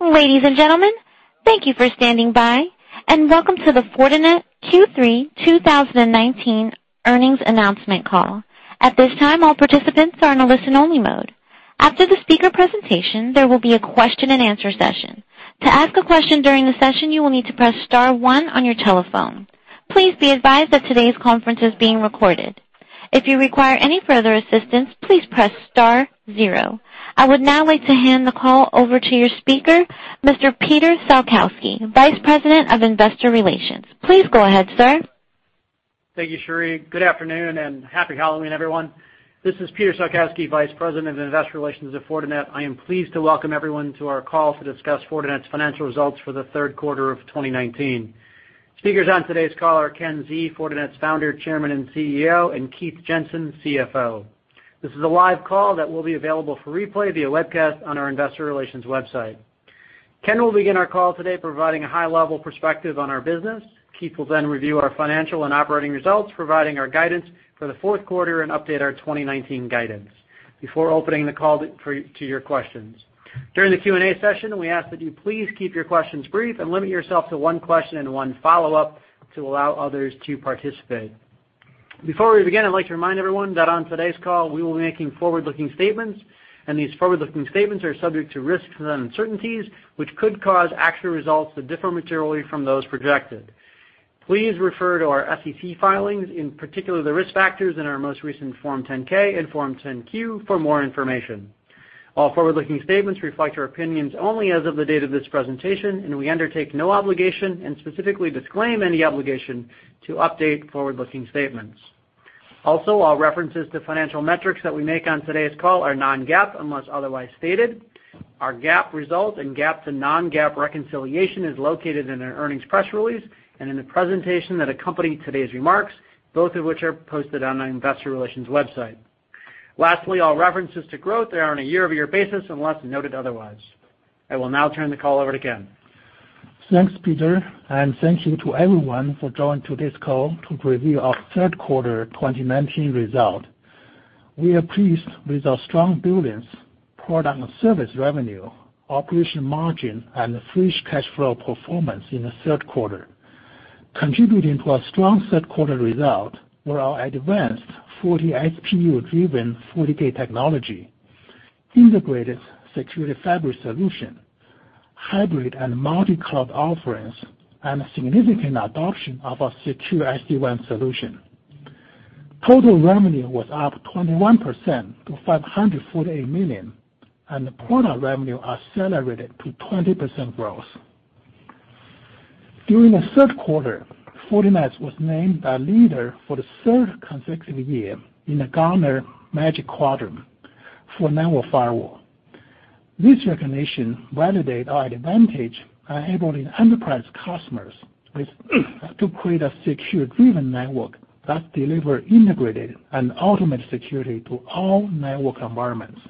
Ladies and gentlemen, thank you for standing by and welcome to the Fortinet Q3 2019 earnings announcement call. At this time, all participants are in a listen-only mode. After the speaker presentation, there will be a question and answer session. To ask a question during the session, you will need to press star one on your telephone. Please be advised that today's conference is being recorded. If you require any further assistance, please press star zero. I would now like to hand the call over to your speaker, Mr. Peter Salkowski, Vice President of Investor Relations. Please go ahead, sir. Thank you, Sheree. Good afternoon and happy Halloween, everyone. This is Peter Salkowski, Vice President of Investor Relations at Fortinet. I am pleased to welcome everyone to our call to discuss Fortinet's financial results for the third quarter of 2019. Speakers on today's call are Ken Xie, Fortinet's Founder, Chairman, and CEO, and Keith Jensen, CFO. This is a live call that will be available for replay via webcast on our investor relations website. Ken will begin our call today providing a high-level perspective on our business. Keith will then review our financial and operating results, providing our guidance for the fourth quarter and update our 2019 guidance before opening the call to your questions. During the Q&A session, we ask that you please keep your questions brief and limit yourself to one question and one follow-up to allow others to participate. Before we begin, I'd like to remind everyone that on today's call, we will be making forward-looking statements, and these forward-looking statements are subject to risks and uncertainties, which could cause actual results to differ materially from those projected. Please refer to our SEC filings, in particular, the risk factors in our most recent Form 10-K and Form 10-Q for more information. All forward-looking statements reflect our opinions only as of the date of this presentation, and we undertake no obligation and specifically disclaim any obligation to update forward-looking statements. Also, all references to financial metrics that we make on today's call are non-GAAP unless otherwise stated. Our GAAP results and GAAP to non-GAAP reconciliation is located in our earnings press release and in the presentation that accompany today's remarks, both of which are posted on our investor relations website. Lastly, all references to growth are on a year-over-year basis, unless noted otherwise. I will now turn the call over to Ken. Thanks, Peter, and thank you to everyone for joining today's call to preview our third quarter 2019 result. We are pleased with our strong bookings, product and service revenue, operating margin, and the free cash flow performance in the third quarter. Contributing to our strong third quarter result were our advanced FortiSPU-driven FortiGate technology, integrated Security Fabric solution, hybrid and multi-cloud offerings, and significant adoption of our secure SD-WAN solution. Total revenue was up 21% to $548 million, and the product revenue accelerated to 20% growth. During the third quarter, Fortinet was named a leader for the third consecutive year in the Gartner Magic Quadrant for network firewall. This recognition validates our advantage enabling enterprise customers to create a security-driven network that delivers integrated and ultimate security to all network environments.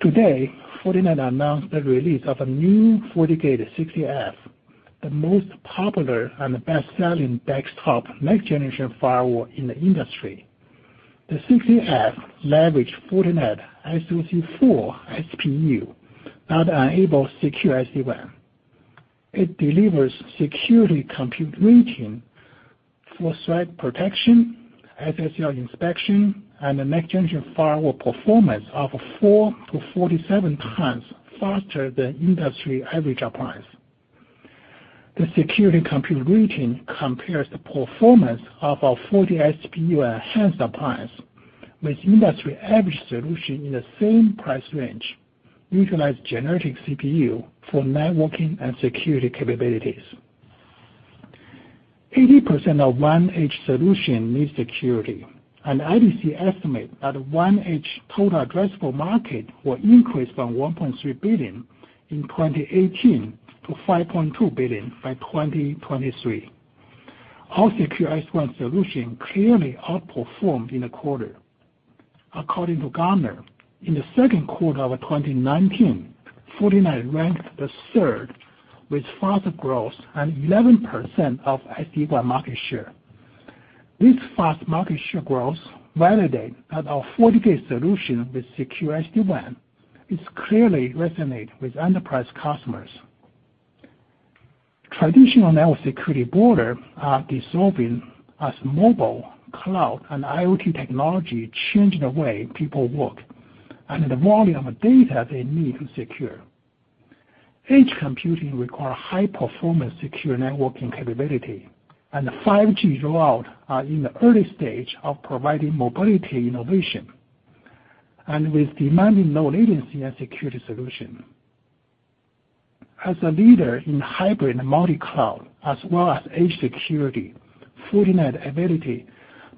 Today, Fortinet announced the release of a new FortiGate 60F, the most popular and best-selling desktop next-generation firewall in the industry. The 60F leverage Fortinet SoC4 SPU that enable secure SD-WAN. It delivers security compute rating for threat protection, SSL inspection, and the next-generation firewall performance of four to 47 times faster than industry average appliance. The security compute rating compares the performance of our FortiSPU enhanced appliance with industry average solution in the same price range utilize generic CPU for networking and security capabilities. 80% of WAN edge solution needs security, and IDC estimate that WAN edge total addressable market will increase from $1.3 billion in 2018 to $5.2 billion by 2023. Our secure SD-WAN solution clearly outperformed in the quarter. According to Gartner, in the second quarter of 2019, Fortinet ranked the third with faster growth and 11% of SD-WAN market share. This fast market share growth validate that our FortiGate solution with secure SD-WAN is clearly resonate with enterprise customers. Traditional network security borders are dissolving as mobile, cloud, and IoT technology change the way people work and the volume of data they need to secure. Edge computing require high-performance secure networking capability, and 5G roll out are in the early stage of providing mobility innovation, and with demanding low latency and security solution. As a leader in hybrid multi-cloud as well as edge security, Fortinet ability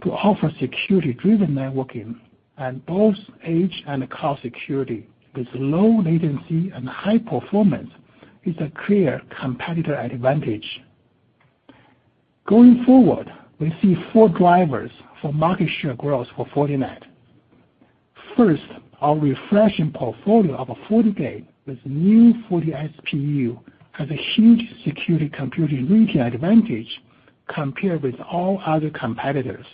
to offer security-driven networking and both edge and cloud security with low latency and high performance is a clear competitor advantage. Going forward, we see four drivers for market share growth for Fortinet. First, our refreshing portfolio of FortiGate with new FortiSPU has a huge Security Compute Rating advantage compared with all other competitors.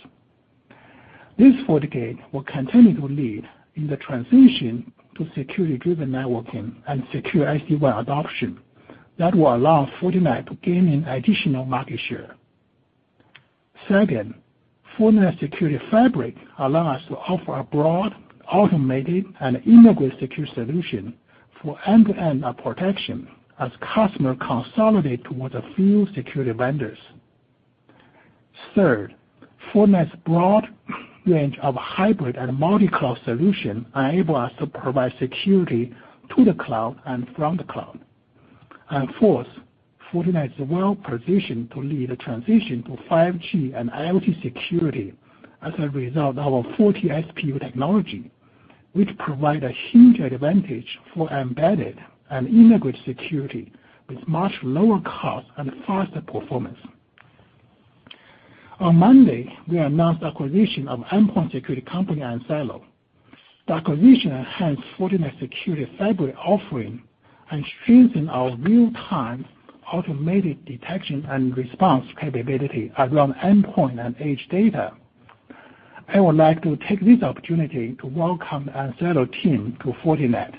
This FortiGate will continue to lead in the transition to security-driven networking and secure SD-WAN adoption that will allow Fortinet to gain an additional market share. Second, Fortinet Security Fabric allow us to offer a broad, automated, and integrated secure solution for end-to-end protection as customer consolidate towards a few security vendors. Third, Fortinet's broad range of hybrid and multi-cloud solution enable us to provide security to the cloud and from the cloud. Fourth, Fortinet is well-positioned to lead the transition to 5G and IoT security as a result of our FortiASIC technology, which provide a huge advantage for embedded and integrated security with much lower cost and faster performance. On Monday, we announced acquisition of endpoint security company, enSilo. The acquisition enhances Fortinet's Security Fabric offering and strengthen our real-time automated detection and response capability around endpoint and EDR data. I would like to take this opportunity to welcome enSilo team to Fortinet.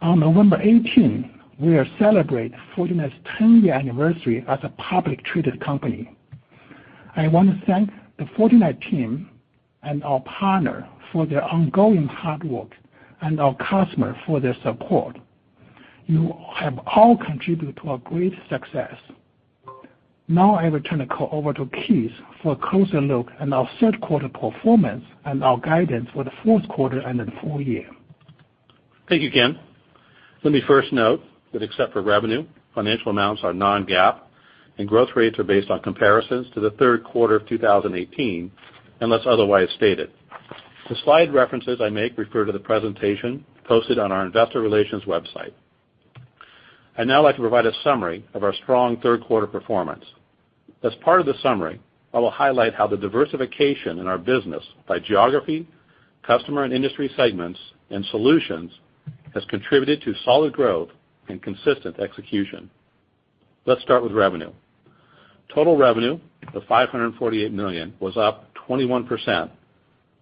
On November 18, we are celebrate Fortinet's 10-year anniversary as a publicly traded company. I want to thank the Fortinet team and our partner for their ongoing hard work and our customer for their support. You have all contributed to our great success. Now I will turn the call over to Keith for a closer look at our third quarter performance and our guidance for the fourth quarter and the full year. Thank you, Ken. Let me first note that except for revenue, financial amounts are non-GAAP, and growth rates are based on comparisons to the third quarter of 2018, unless otherwise stated. The slide references I make refer to the presentation posted on our investor relations website. I'd now like to provide a summary of our strong third quarter performance. As part of the summary, I will highlight how the diversification in our business by geography, customer and industry segments, and solutions, has contributed to solid growth and consistent execution. Let's start with revenue. Total revenue of $548 million was up 21%,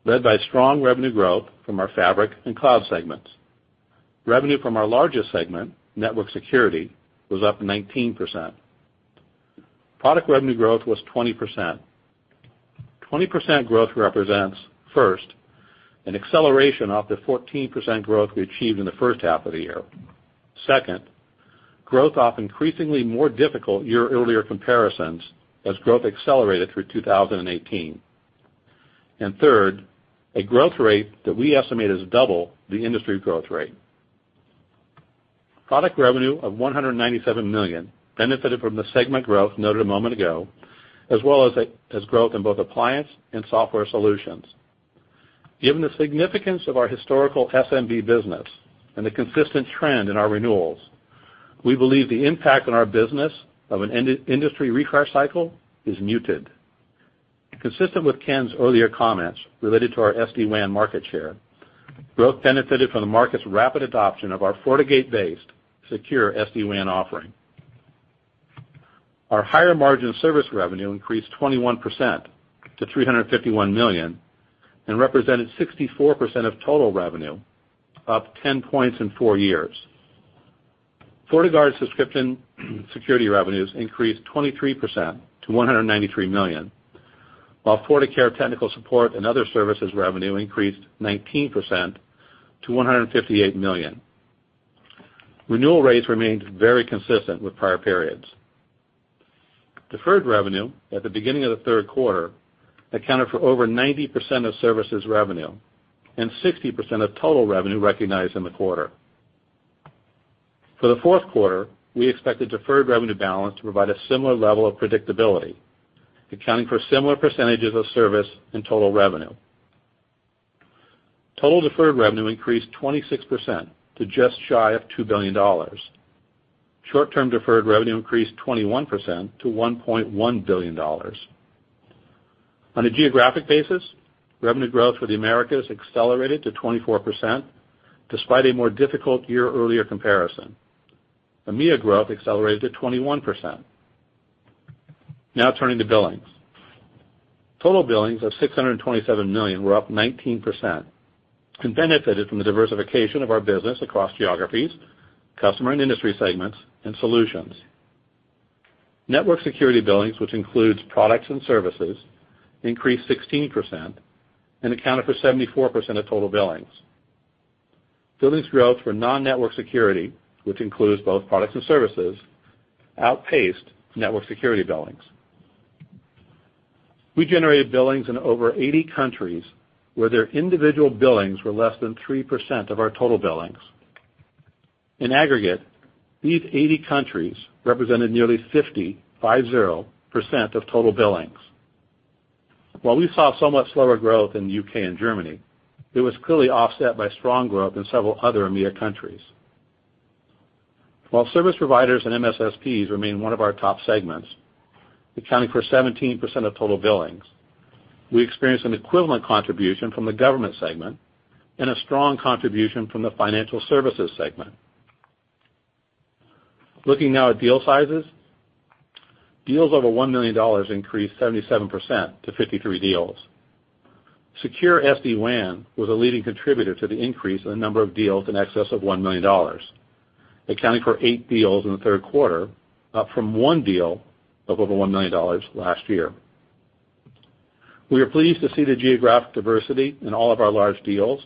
led by strong revenue growth from our fabric and cloud segments. Revenue from our largest segment, network security, was up 19%. Product revenue growth was 20%. 20% growth represents, first, an acceleration off the 14% growth we achieved in the first half of the year. Second, growth off increasingly more difficult year earlier comparisons as growth accelerated through 2018. Third, a growth rate that we estimate is double the industry growth rate. Product revenue of $197 million benefited from the segment growth noted a moment ago, as well as growth in both appliance and software solutions. Given the significance of our historical SMB business and the consistent trend in our renewals, we believe the impact on our business of an industry refresh cycle is muted. Consistent with Ken's earlier comments related to our SD-WAN market share, growth benefited from the market's rapid adoption of our FortiGate-based secure SD-WAN offering. Our higher margin service revenue increased 21% to $351 million and represented 64% of total revenue, up 10 points in four years. FortiGuard's subscription security revenues increased 23% to $193 million, while FortiCare technical support and other services revenue increased 19% to $158 million. Renewal rates remained very consistent with prior periods. Deferred revenue at the beginning of the third quarter accounted for over 90% of services revenue and 60% of total revenue recognized in the quarter. For the fourth quarter, we expect the deferred revenue balance to provide a similar level of predictability, accounting for similar percentages of service and total revenue. Total deferred revenue increased 26% to just shy of $2 billion. Short-term deferred revenue increased 21% to $1.1 billion. On a geographic basis, revenue growth for the Americas accelerated to 24%, despite a more difficult year earlier comparison. EMEA growth accelerated to 21%. Turning to billings. Total billings of $627 million were up 19% and benefited from the diversification of our business across geographies, customer and industry segments, and solutions. Network security billings, which includes products and services, increased 16% and accounted for 74% of total billings. Billings growth for non-network security, which includes both products and services, outpaced network security billings. We generated billings in over 80 countries where their individual billings were less than 3% of our total billings. In aggregate, these 80 countries represented nearly 55.0% of total billings. While we saw somewhat slower growth in the U.K. and Germany, it was clearly offset by strong growth in several other EMEA countries. While service providers and MSSP remain one of our top segments, accounting for 17% of total billings, we experienced an equivalent contribution from the government segment and a strong contribution from the financial services segment. Looking now at deal sizes. Deals over $1 million increased 77% to 53 deals. Secure SD-WAN was a leading contributor to the increase in the number of deals in excess of $1 million, accounting for eight deals in the third quarter, up from one deal of over $1 million last year. We are pleased to see the geographic diversity in all of our large deals,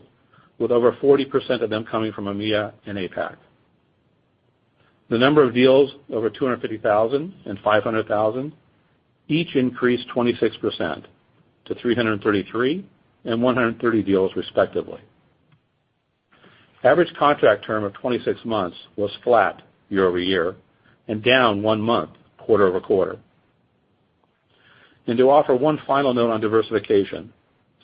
with over 40% of them coming from EMEA and APAC. The number of deals over 250,000 and 500,000 each increased 26% to 333 and 130 deals respectively. Average contract term of 26 months was flat year-over-year and down one month quarter-over-quarter. To offer one final note on diversification,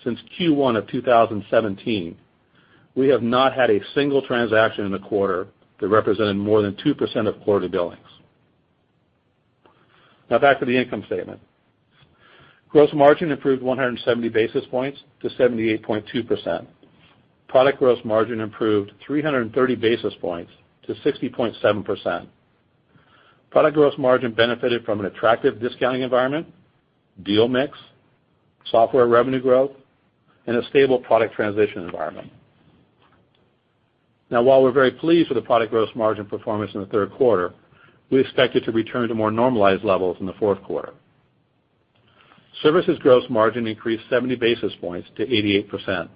since Q1 of 2017, we have not had a single transaction in a quarter that represented more than 2% of quarter billings. Back to the income statement. Gross margin improved 170 basis points to 78.2%. Product gross margin improved 330 basis points to 60.7%. Product gross margin benefited from an attractive discounting environment, deal mix, software revenue growth, and a stable product transition environment. Now while we're very pleased with the product gross margin performance in the third quarter, we expect it to return to more normalized levels in the fourth quarter. Services gross margin increased 70 basis points to 88%.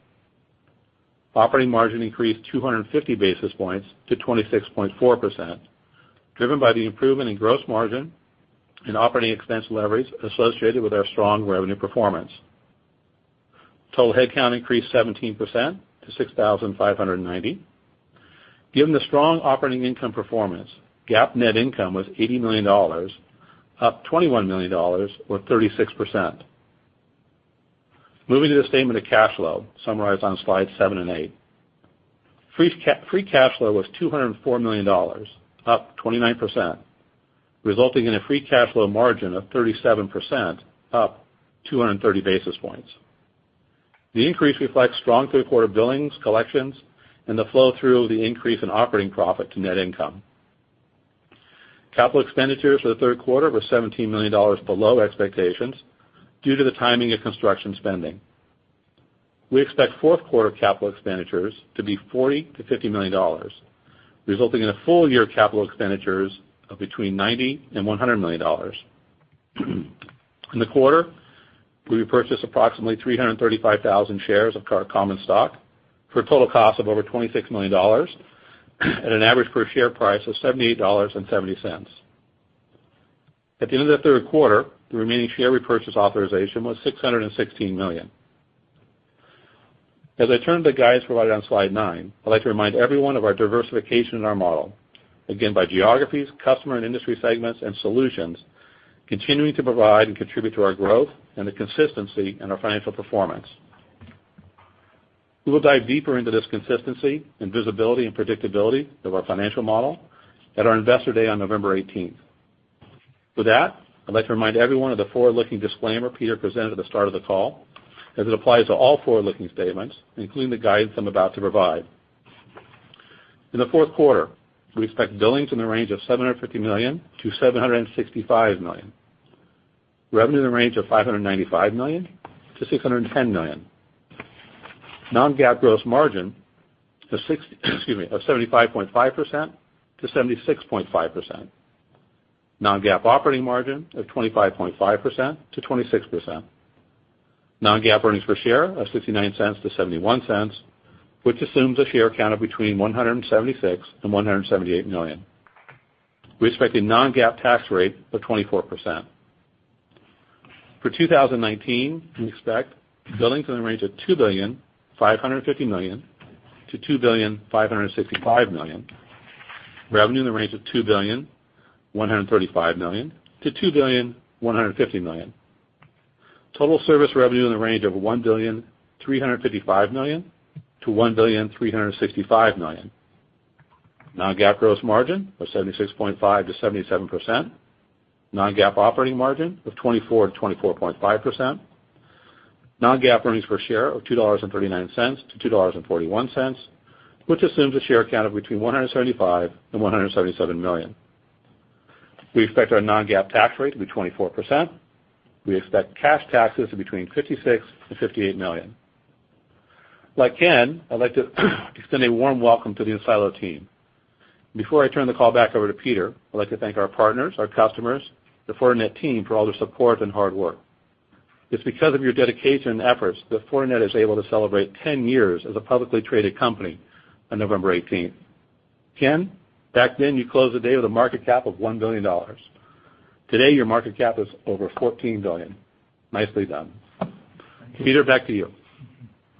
Operating margin increased 250 basis points to 26.4%, driven by the improvement in gross margin and operating expense leverage associated with our strong revenue performance. Total headcount increased 17% to 6,590. Given the strong operating income performance, GAAP net income was $80 million, up $21 million, or 36%. Moving to the statement of cash flow summarized on slide seven and eight. Free cash flow was $204 million, up 29%, resulting in a free cash flow margin of 37%, up 230 basis points. The increase reflects strong third quarter billings, collections, and the flow-through of the increase in operating profit to net income. Capital expenditures for the third quarter were $17 million below expectations due to the timing of construction spending. We expect fourth quarter capital expenditures to be $40 million-$50 million, resulting in a full-year capital expenditures of between $90 million and $100 million. In the quarter, we repurchased approximately 335,000 shares of our common stock for a total cost of over $26 million at an average per share price of $78.70. At the end of the third quarter, the remaining share repurchase authorization was $616 million. As I turn to the guidance provided on slide nine, I'd like to remind everyone of our diversification in our model, again, by geographies, customer, and industry segments, and solutions, continuing to provide and contribute to our growth and the consistency in our financial performance. We will dive deeper into this consistency and visibility and predictability of our financial model at our Investor Day on November 18th. With that, I'd like to remind everyone of the forward-looking disclaimer Peter presented at the start of the call, as it applies to all forward-looking statements, including the guidance I'm about to provide. In the fourth quarter, we expect billings in the range of $750 million-$765 million. Revenue in the range of $595 million-$610 million. Non-GAAP gross margin of 75.5%-76.5%. Non-GAAP operating margin of 25.5%-26%. Non-GAAP earnings per share of $0.69-$0.71, which assumes a share count of 176 million-178 million. We expect a non-GAAP tax rate of 24%. For 2019, we expect billings in the range of $2 billion 550 million-$2 billion 565 million. Revenue in the range of $2.135 billion-$2.150 billion. Total service revenue in the range of $1.355 billion-$1.365 billion. non-GAAP gross margin of 76.5%-77%. non-GAAP operating margin of 24%-24.5%. non-GAAP earnings per share of $2.39-$2.41, which assumes a share count of between 175 million and 177 million. We expect our non-GAAP tax rate to be 24%. We expect cash taxes of between $56 million-$58 million. Like Ken, I'd like to extend a warm welcome to the enSilo team. Before I turn the call back over to Peter, I'd like to thank our partners, our customers, the Fortinet team, for all their support and hard work. It's because of your dedication and efforts that Fortinet is able to celebrate 10 years as a publicly traded company on November 18th. Ken, back then you closed the day with a market cap of $1 billion. Today, your market cap is over $14 billion. Nicely done. Peter, back to you.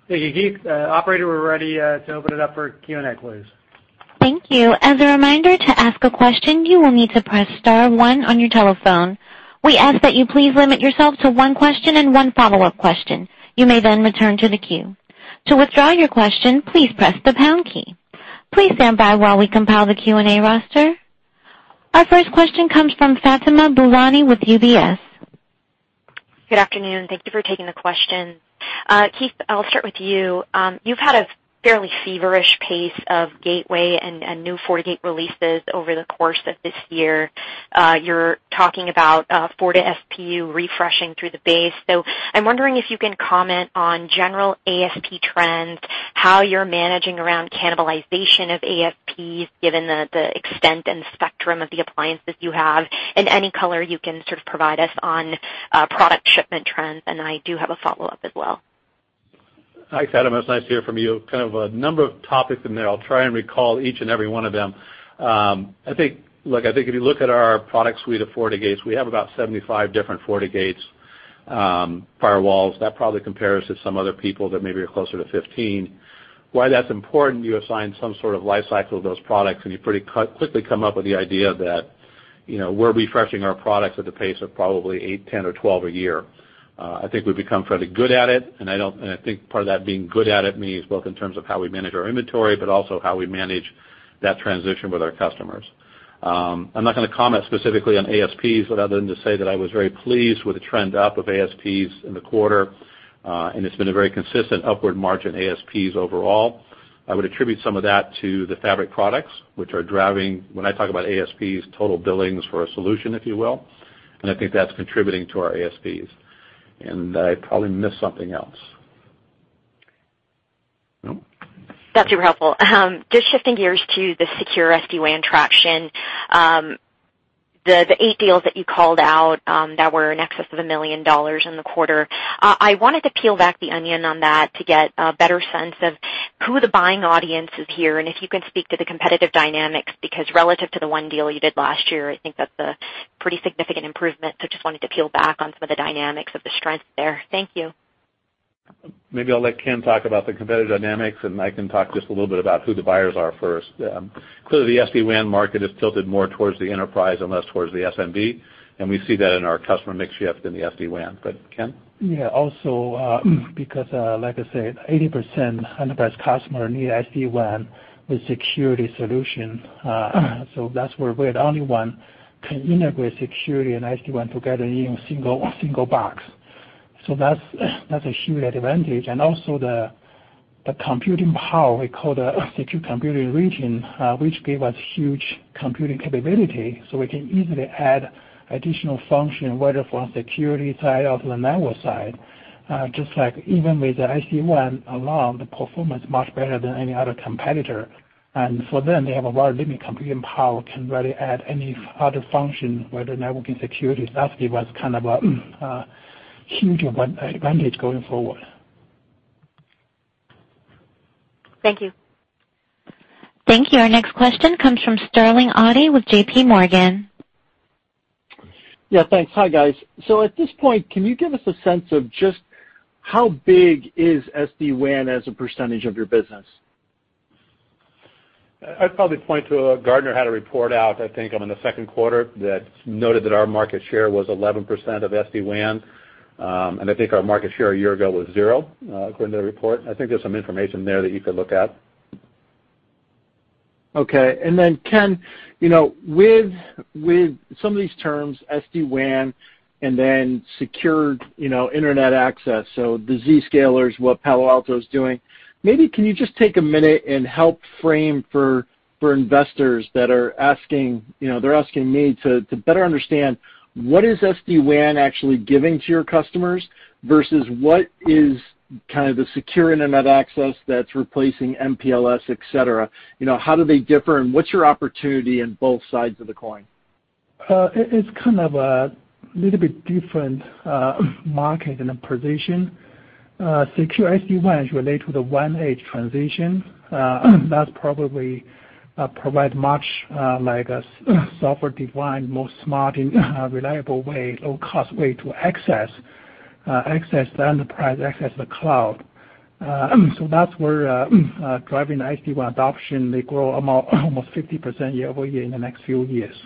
Thank you, Keith. operator, we're ready, to open it up for Q&A, please. Thank you. As a reminder, to ask a question, you will need to press *1 on your telephone. We ask that you please limit yourself to one question and one follow-up question. You may then return to the queue. To withdraw your question, please press the # key. Please stand by while we compile the Q&A roster. Our first question comes from Fatima Boolani with UBS Good afternoon. Thank you for taking the question. Keith, I'll start with you. You've had a fairly feverish pace of gateway and new FortiGate releases over the course of this year. You're talking about FortiSPU refreshing through the base. I'm wondering if you can comment on general ASP trends, how you're managing around cannibalization of ASPs, given the extent and spectrum of the appliances you have, and any color you can sort of provide us on product shipment trends. I do have a follow-up as well. Hi, Fatima. It's nice to hear from you. Kind of a number of topics in there. I'll try and recall each and every one of them. I think if you look at our product suite of FortiGate, we have about 75 different FortiGate firewalls. That probably compares to some other people that maybe are closer to 15. Why that's important, you assign some sort of life cycle to those products, and you pretty quickly come up with the idea that we're refreshing our products at the pace of probably eight, 10, or 12 a year. I think we've become pretty good at it, and I think part of that being good at it means both in terms of how we manage our inventory, but also how we manage that transition with our customers. I'm not going to comment specifically on ASPs, other than to say that I was very pleased with the trend up of ASPs in the quarter. It's been a very consistent upward march in ASPs overall. I would attribute some of that to the fabric products, which are driving, when I talk about ASPs, total billings for a solution, if you will. I think that's contributing to our ASPs. I probably missed something else. No? That's super helpful. Just shifting gears to the secure SD-WAN traction. The eight deals that you called out that were in excess of a million dollars in the quarter, I wanted to peel back the onion on that to get a better sense of who the buying audience is here, and if you can speak to the competitive dynamics. Relative to the one deal you did last year, I think that's a pretty significant improvement. Just wanted to peel back on some of the dynamics of the strength there. Thank you. Maybe I'll let Ken talk about the competitive dynamics, and I can talk just a little bit about who the buyers are first. Clearly, the SD-WAN market is tilted more towards the enterprise and less towards the SMB, and we see that in our customer mix shift in the SD-WAN. Ken? Yeah. Also, because like I said, 80% enterprise customer need SD-WAN with security solution. That's where we're the only one can integrate security and SD-WAN together in a single box. That's a huge advantage. Also the computing power, we call the Secure Computing Region, which gave us huge computing capability. We can easily add additional function, whether from security side or from the network side. Just like even with the SD-WAN alone, the performance much better than any other competitor. For them, they have a very limited computing power, can rarely add any other function, whether networking security. That gave us kind of a huge advantage going forward. Thank you. Thank you. Our next question comes from Sterling Auty with JP Morgan. Yeah, thanks. Hi, guys. At this point, can you give us a sense of just how big is SD-WAN as a percentage of your business? I'd probably point to Gartner had a report out, I think in the second quarter, that noted that our market share was 11% of SD-WAN. I think our market share a year ago was zero, according to the report. I think there's some information there that you could look at. Okay. Ken, with some of these terms, SD-WAN and then secured internet access, so the Zscaler, what Palo Alto's doing, maybe can you just take a minute and help frame for investors that are asking me to better understand what is SD-WAN actually giving to your customers versus what is the secure internet access that's replacing MPLS, et cetera? How do they differ, and what's your opportunity in both sides of the coin? It's kind of a little bit different market and a position. Secure SD-WAN is related to the WAN edge transition. That probably provide much like a software-defined, more smart and reliable way, low cost way to access the enterprise, access the cloud. That's where driving SD-WAN adoption may grow almost 50% year-over-year in the next few years.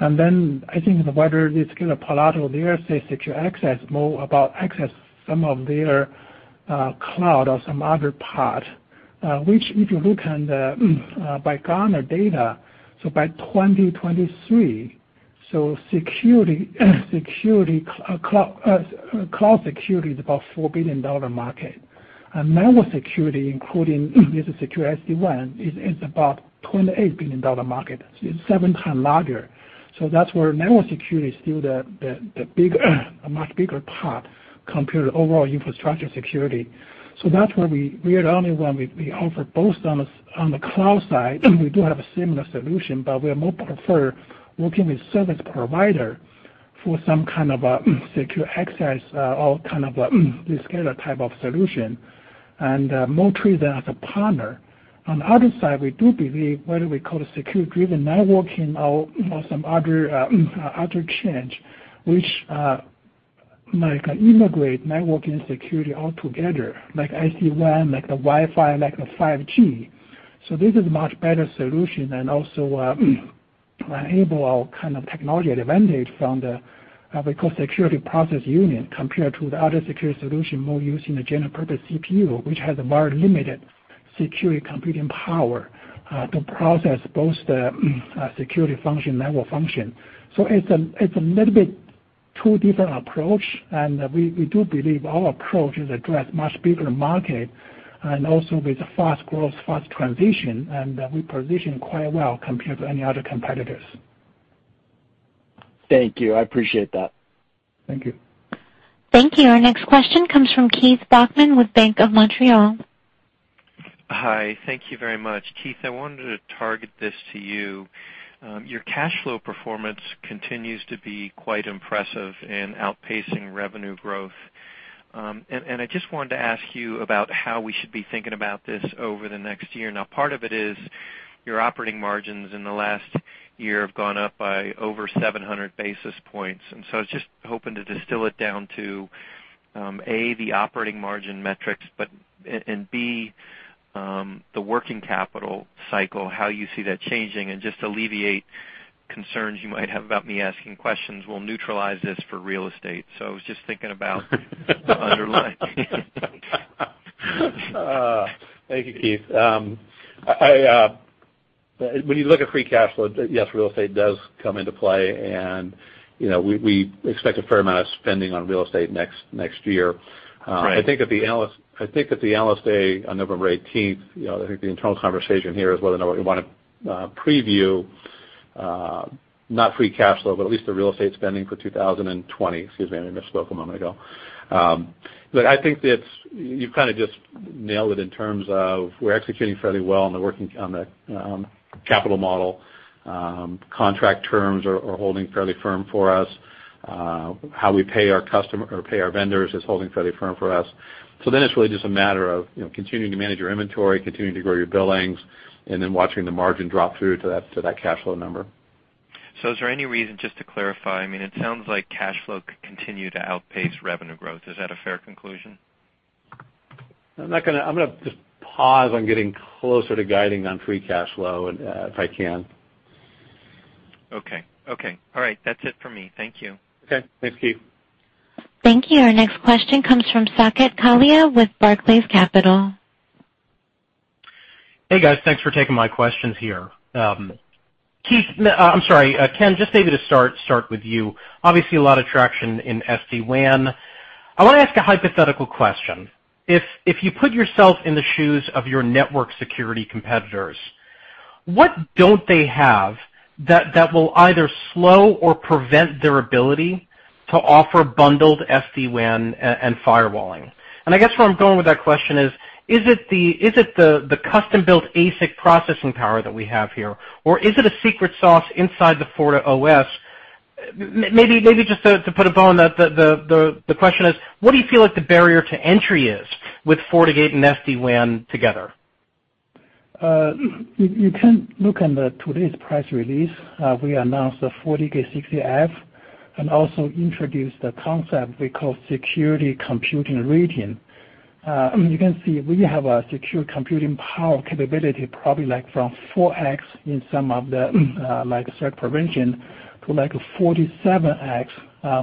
I think whether it's going to Palo Alto, their say secure access, more about access some of their cloud or some other part. Which if you look by Gartner data, so by 2023, so cloud security is about $4 billion market. Network security, including user secure SD-WAN, is about $28 billion market. It's seven times larger. That's where network security is still the much bigger part compared to overall infrastructure security. that's where we are the only one, we offer both on the cloud side, we do have a similar solution, but we are more prefer working with service provider for some kind of a secure access or kind of a Zscaler type of solution and more treated as a partner. On the other side, we do believe what do we call a security-driven networking or some other change, which integrate networking security all together, like SD-WAN, like the Wi-Fi, like the 5G. this is much better solution and also enable our kind of technology advantage from the, we call security process unit, compared to the other security solution more used in a general purpose CPU, which has a very limited security computing power to process both the security function, network function. It's a little bit two different approach, and we do believe our approach is address much bigger market and also with fast growth, fast transition, and we position quite well compared to any other competitors. Thank you. I appreciate that. Thank you. Thank you. Our next question comes from Keith Bachman with Bank of Montreal. Hi. Thank you very much. Keith, I wanted to target this to you. Your cash flow performance continues to be quite impressive in outpacing revenue growth. I just wanted to ask you about how we should be thinking about this over the next year. Now, part of it is your operating margins in the last year have gone up by over 700 basis points. I was just hoping to distill it down to, A, the operating margin metrics, but, and B, the working capital cycle, how you see that changing, and just alleviate concerns you might have about me asking questions. We'll neutralize this for real estate. I was just thinking about the underlying. Thank you, Keith. When you look at free cash flow, yes, real estate does come into play, and we expect a fair amount of spending on real estate next year. Right. I think at the analyst day on November eighteenth, I think the internal conversation here is whether or not we want to preview, not free cash flow, but at least the real estate spending for 2020. Excuse me, I missed a spoke a moment ago. I think that you've kind of just nailed it in terms of we're executing fairly well on the capital model. Contract terms are holding fairly firm for us. How we pay our customer or pay our vendors is holding fairly firm for us. It's really just a matter of continuing to manage your inventory, continuing to grow your billings, and then watching the margin drop through to that cash flow number. Is there any reason just to clarify, I mean, it sounds like cash flow could continue to outpace revenue growth. Is that a fair conclusion? I'm going to just pause on getting closer to guiding on free cash flow if I can. Okay. All right. That's it for me. Thank you. Okay. Thanks, Keith. Thank you. Our next question comes from Saket Kalia with Barclays Capital. Hey, guys. Thanks for taking my questions here. Keith, I'm sorry, Ken, just maybe to start with you. Obviously, a lot of traction in SD-WAN. I want to ask a hypothetical question. If you put yourself in the shoes of your network security competitors, what don't they have that will either slow or prevent their ability to offer bundled SD-WAN and firewalling? I guess where I'm going with that question is it the custom-built ASIC processing power that we have here, or is it a secret sauce inside the FortiOS? Maybe just to put a bow on the question is, what do you feel like the barrier to entry is with FortiGate and SD-WAN together? You can look on today's press release. We announced the FortiGate 60F and also introduced a concept we call security computing region. You can see we have a secure computing power capability, probably like from 4x in some of the like threat prevention to like 47x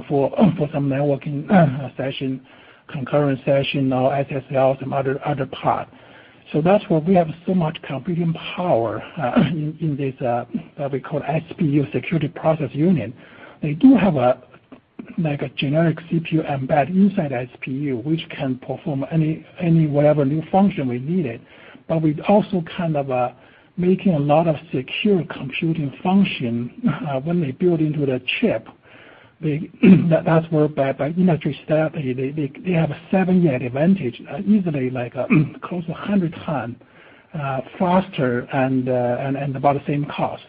for some networking session, concurrent session, or SSL, some other part. That's why we have so much computing power in this, we call SPU, Security Processing Unit. They do have a generic CPU embedded inside SPU, which can perform any whatever new function we needed, but we've also kind of making a lot of secure computing function when they build into the chip. That's where by industry standard, they have a seven-year advantage, easily like close to 100 times faster and about the same cost.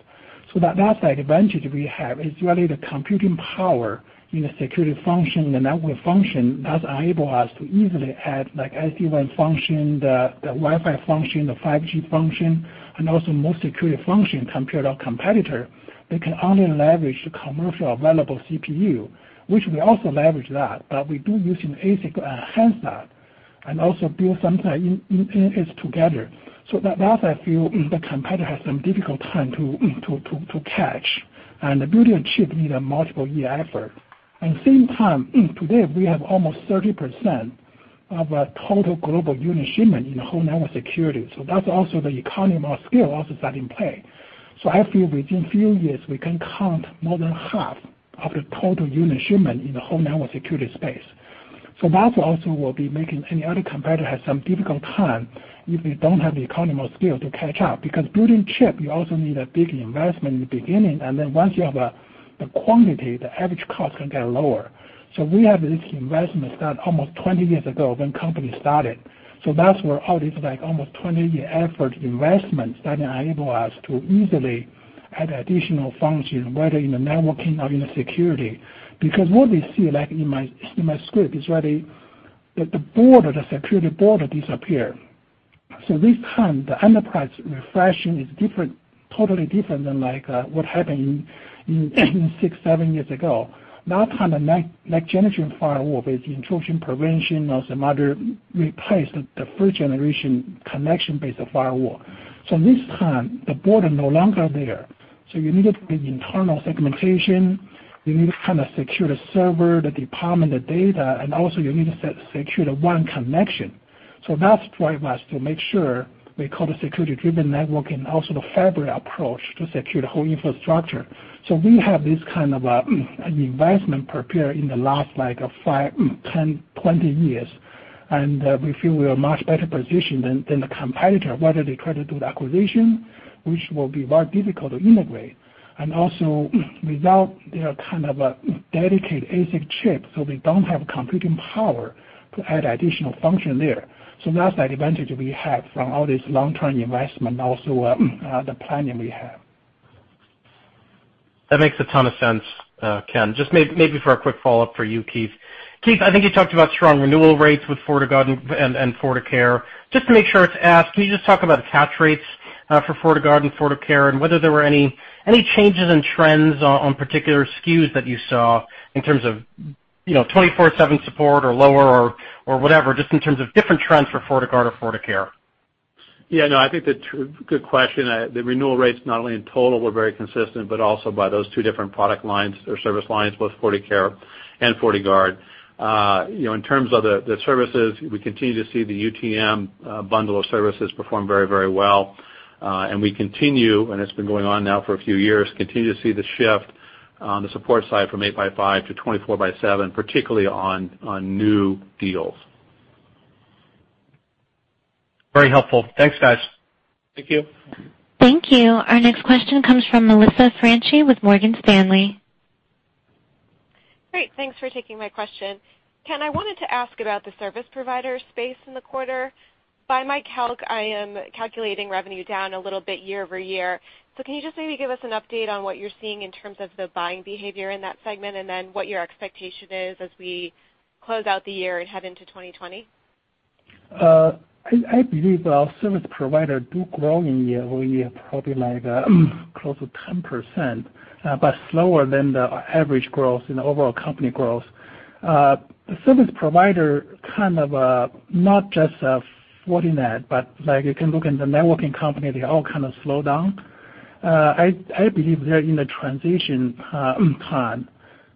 That's the advantage we have is really the computing power in the security function, the network function, that enable us to easily add, like SD-WAN function, the Wi-Fi function, the 5G function, and also more security function compared to our competitor. They can only leverage the commercial available CPU, which we also leverage that, but we do use an ASIC to enhance that and also build sometimes in it together. That's a few the competitor has some difficult time to catch. Building a chip need a multiple year effort. Same time, today, we have almost 30% of total global unit shipment in the whole network security. That's also the economy of scale also that in play. I feel within few years, we can count more than half of the total unit shipment in the whole network security space. that also will be making any other competitor has some difficult time if they don't have the economy of scale to catch up. Because building chip, you also need a big investment in the beginning, and then once you have the quantity, the average cost can get lower. we have this investment start almost 20 years ago when company started. that's where all this, like almost 20-year effort investment that enable us to easily add additional function, whether in the networking or in the security. Because what we see, like in my script, is really that the border, the security border disappear. this time, the enterprise refreshing is different, totally different than like what happened in 6, 7 years ago. Now come the next generation firewall with intrusion prevention or some other replace the first generation connection-based firewall. This time, the border no longer there. You needed the internal segmentation, you need to kind of secure the server, the department, the data, and also you need to secure the WAN connection. That's drive us to make sure we call the security-driven networking and also the fabric approach to secure the whole infrastructure. We have this kind of an investment prepared in the last like 10, 20 years, and we feel we are much better positioned than the competitor, whether they try to do the acquisition, which will be very difficult to integrate, and also without their kind of a dedicated ASIC chip, so they don't have computing power to add additional function there. That's the advantage we have from all this long-term investment, also the planning we have. That makes a ton of sense, Ken. Just maybe for a quick follow-up for you, Keith. Keith, I think you talked about strong renewal rates with FortiGuard and FortiCare. Just to make sure it's asked, can you just talk about attach rates for FortiGuard and FortiCare and whether there were any changes in trends on particular SKUs that you saw in terms of 24/7 support or lower or whatever, just in terms of different trends for FortiGuard or FortiCare? Yeah, no, I think that's a good question. The renewal rates not only in total were very consistent, but also by those two different product lines or service lines, both FortiCare and FortiGuard. In terms of the services, we continue to see the UTM bundle of services perform very well. we continue, and it's been going on now for a few years, continue to see the shift on the support side from eight by five to 24 by seven, particularly on new deals. Very helpful. Thanks, guys. Thank you. Thank you. Our next question comes from Melissa Franchi with Morgan Stanley. Great. Thanks for taking my question. Ken, I wanted to ask about the service provider space in the quarter. By my calc, I am calculating revenue down a little bit year-over-year. Can you just maybe give us an update on what you're seeing in terms of the buying behavior in that segment, and then what your expectation is as we close out the year and head into 2020? I believe our service provider do grow in year-over-year, probably like close to 10%, but slower than the average growth in the overall company growth. Service provider, not just Fortinet, but you can look in the networking company, they all kind of slow down. I believe they're in the transition time.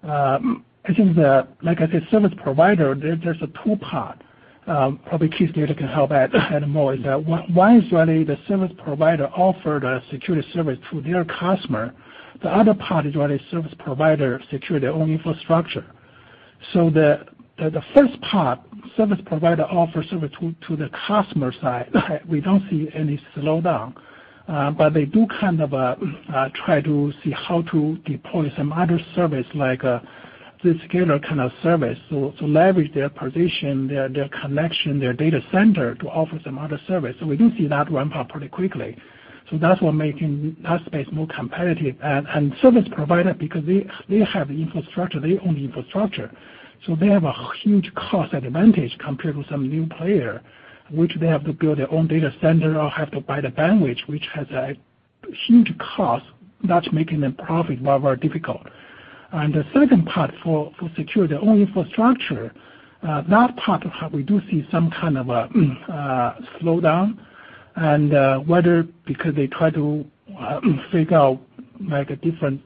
I think, like I said, service provider, there's a two-part. Probably Keith data can help add more is that one is really the service provider offered a security service to their customer. The other part is really service provider secure their own infrastructure. The first part, service provider offer service to the customer side, we don't see any slowdown. They do try to see how to deploy some other service, like a Zscaler kind of service to leverage their position, their connection, their data center to offer some other service. we do see that ramp up pretty quickly. that's what making that space more competitive. service provider, because they have infrastructure, they own infrastructure, so they have a huge cost advantage compared to some new player, which they have to build their own data center or have to buy the bandwidth, which has a huge cost, that's making them profit very difficult. the second part for secure their own infrastructure, that part we do see some kind of a slowdown, and whether because they try to figure out like a different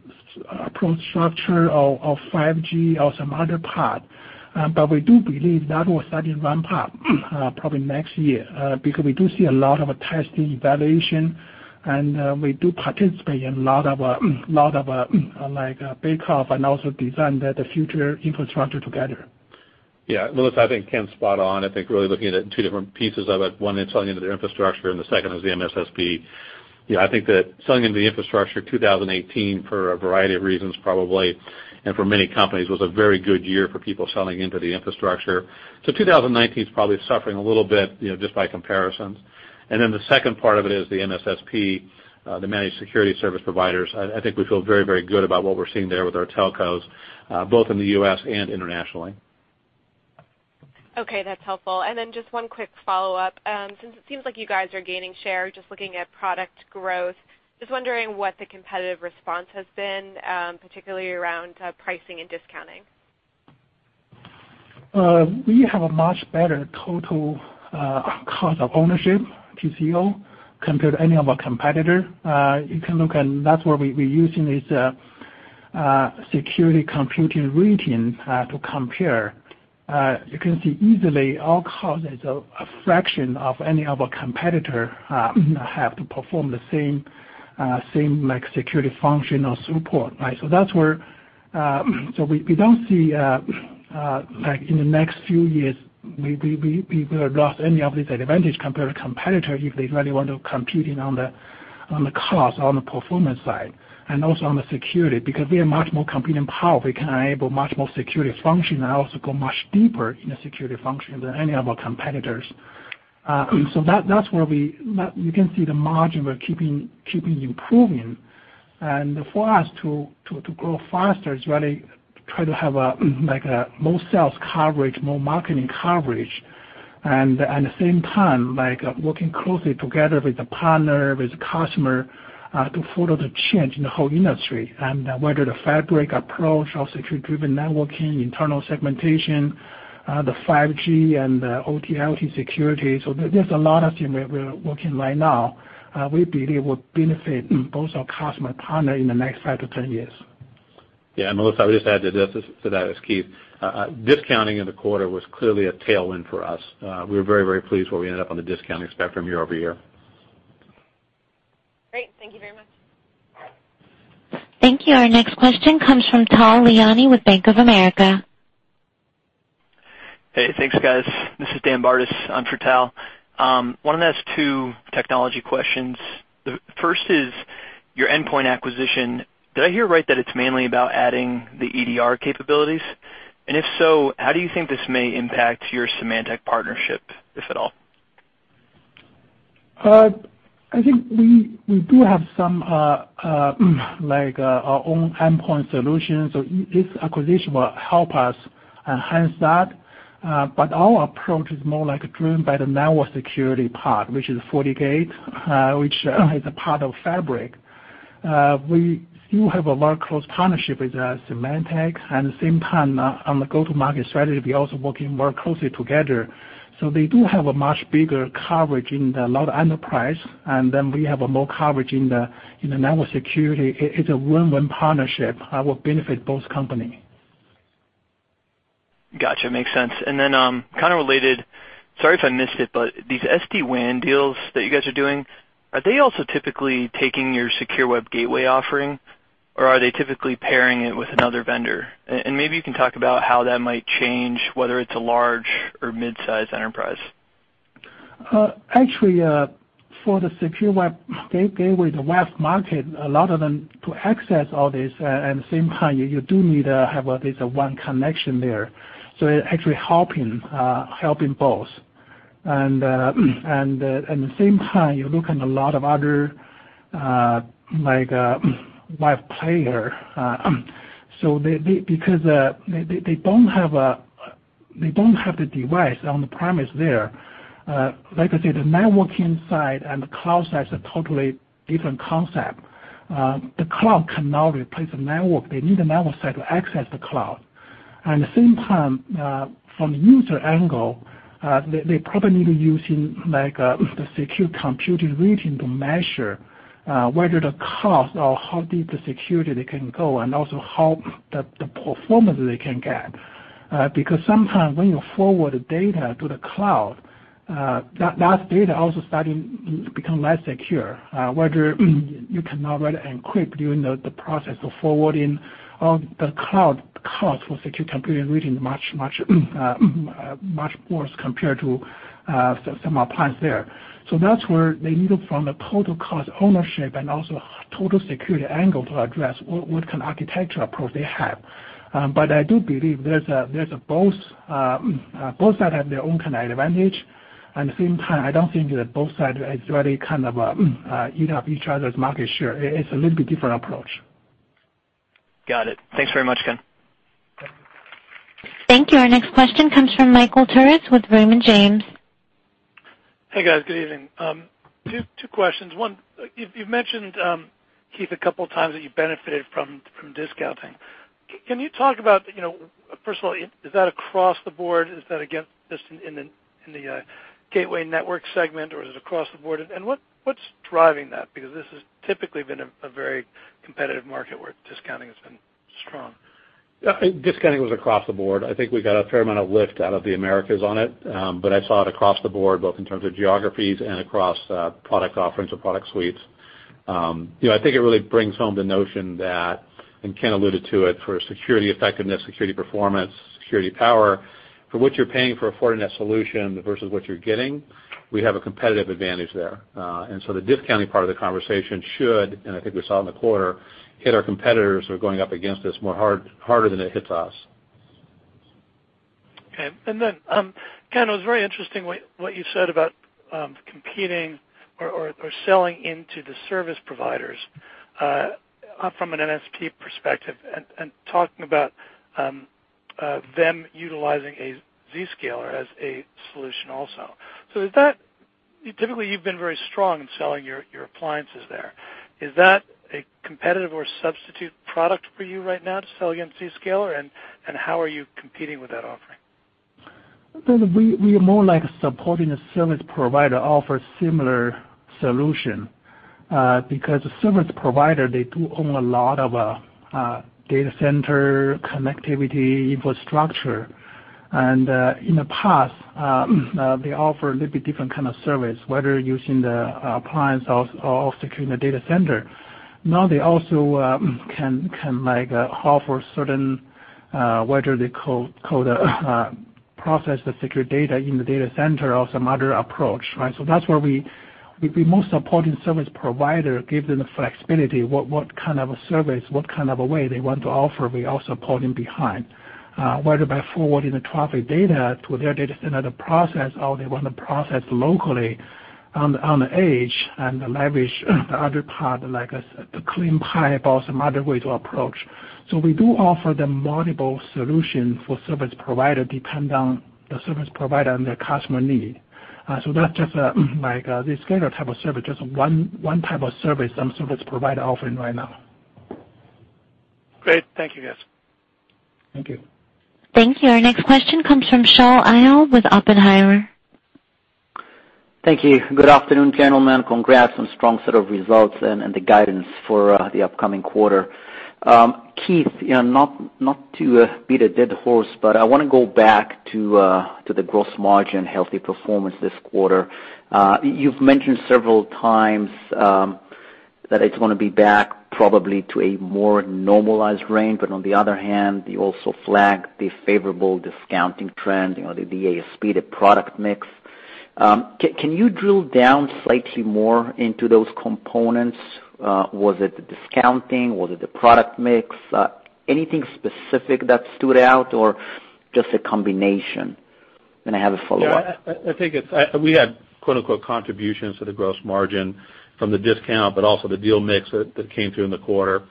approach structure of 5G or some other part. we do believe that will suddenly ramp up probably next year, because we do see a lot of testing, evaluation, and we do participate in lot of big half and also design the future infrastructure together. Yeah. Melissa, I think Ken's spot on. I think really looking at it in two different pieces of it, one is selling into their infrastructure and the second is the MSSP. I think that selling into the infrastructure 2018, for a variety of reasons probably, and for many companies, was a very good year for people selling into the infrastructure. 2019 is probably suffering a little bit, just by comparison. Then the second part of it is the MSSP, the managed security service providers. I think we feel very good about what we're seeing there with our telcos, both in the U.S. and internationally. Okay. That's helpful. Just one quick follow-up. Since it seems like you guys are gaining share, just looking at product growth, just wondering what the competitive response has been, particularly around pricing and discounting. We have a much better total cost of ownership, TCO, compared to any of our competitor. You can look and that's where we're using this Security Compute Rating to compare. You can see easily our cost is a fraction of any of our competitor have to perform the same security function or support, right? We don't see, like in the next few years, we will have lost any of this advantage compared to competitor if they really want to competing on the cost, on the performance side, and also on the security, because we have much more computing power, we can enable much more security function and also go much deeper in the security function than any of our competitors. That's where we You can see the margin we're keeping improving. For us to grow faster is really try to have like a more sales coverage, more marketing coverage, and at the same time, working closely together with the partner, with the customer, to follow the change in the whole industry, and whether the fabric approach or security-driven networking, internal segmentation, the 5G and the OT/IT security. There's a lot of thing we're working right now we believe will benefit both our customer and partner in the next five to 10 years. Yeah, Melissa, I'll just add to this, to that, as Keith. Discounting in the quarter was clearly a tailwind for us. We were very, very pleased where we ended up on the discounting spectrum year-over-year. Great. Thank you very much. Thank you. Our next question comes from Tal Liani with Bank of America. Hey, thanks, guys. This is Dan Bartus on for Tal. Wanted to ask two technology questions. The first is your endpoint acquisition. Did I hear right that it's mainly about adding the EDR capabilities? If so, how do you think this may impact your Symantec partnership, if at all? I think we do have some of our own endpoint solutions. This acquisition will help us enhance that. Our approach is more driven by the network security part, which is FortiGate, which is a part of Fabric. We do have a very close partnership with Symantec, and at the same time, on the go-to-market strategy, we're also working very closely together. They do have a much bigger coverage in a lot of enterprise, and then we have more coverage in the network security. It's a win-win partnership that will benefit both companies. Got you. Makes sense. kind of related, sorry if I missed it, but these SD-WAN deals that you guys are doing, are they also typically taking your secure web gateway offering, or are they typically pairing it with another vendor? maybe you can talk about how that might change, whether it's a large or mid-size enterprise. Actually, for the secure web gateway, the WAF market, a lot of them to access all this, and same time, you do need to have at least one connection there. it's actually helping both. at the same time, you look at a lot of other live players. because they don't have the device on the premise there. Like I said, the networking side and the cloud side are totally different concept. The cloud cannot replace the network. They need a network site to access the cloud. the same time, from the user angle, they probably need to be using the secure computing region to measure whether the cost or how deep the security they can go, and also how the performance they can get. Sometimes when you forward the data to the cloud, that data also starting to become less secure, whether you cannot write it and keep during the process of forwarding of the cloud cost for secure computing reading much worse compared to some appliance there. That's where they need from a total cost ownership and also total security angle to address what kind of architecture approach they have. I do believe both sides have their own kind of advantage, and the same time, I don't think that both sides is really eating up each other's market share. It's a little bit different approach. Got it. Thanks very much, Ken. Thank you. Our next question comes from Michael Turits with Raymond James. Hey, guys. Good evening. Two questions. One, you've mentioned, Keith, a couple of times that you benefited from discounting. Can you talk about, first of all, is that across the board? Is that, again, just in the gateway network segment, or is it across the board? What's driving that? Because this has typically been a very competitive market where discounting has been strong. Discounting was across the board. I think we got a fair amount of lift out of the Americas on it. I saw it across the board, both in terms of geographies and across product offerings or product suites. I think it really brings home the notion that, and Ken alluded to it for security effectiveness, security performance, security power. For what you're paying for a Fortinet solution versus what you're getting, we have a competitive advantage there. the discounting part of the conversation should, and I think we saw in the quarter, hit our competitors who are going up against us more harder than it hits us. Okay. Ken, it was very interesting what you said about competing or selling into the service providers from an MSP perspective and talking about them utilizing a Zscaler as a solution also. Typically, you've been very strong in selling your appliances there. Is that a competitive or substitute product for you right now to sell against Zscaler? How are you competing with that offering? We are more like supporting a service provider offer similar solution. A service provider, they do own a lot of data center connectivity infrastructure. In the past, they offer a little bit different kind of service, whether using the appliance or securing the data center. Now they also can offer certain, whether they call the process the secure data in the data center or some other approach, right? That's where we most supporting service provider, give them the flexibility, what kind of a service, what kind of a way they want to offer, we are supporting behind. By forwarding the traffic data to their data center to process, or they want to process locally on the edge and leverage the other part, like I said, the clean pipe or some other way to approach. We do offer them multiple solution for service provider, depend on the service provider and their customer need. That's just like the scheduler type of service. Just one type of service some service provider offering right now. Great. Thank you, guys. Thank you. Thank you. Our next question comes from Shaul Eyal with Oppenheimer. Thank you. Good afternoon, gentlemen. Congrats on strong set of results and the guidance for the upcoming quarter. Keith, not to beat a dead horse, but I want to go back to the gross margin healthy performance this quarter. You've mentioned several times that it's going to be back probably to a more normalized range, but on the other hand, you also flagged the favorable discounting trend, the ASP, the product mix. Can you drill down slightly more into those components? Was it the discounting? Was it the product mix? Anything specific that stood out or just a combination? I have a follow-up. Yeah, we had, quote-unquote, "Contributions" to the gross margin from the discount, but also the deal mix that came through in the quarter.